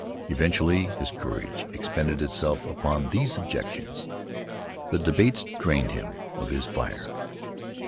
Eventually, his courage expended itself upon these objections. The debates drained him of his fire.